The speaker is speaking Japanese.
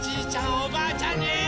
おばあちゃんに。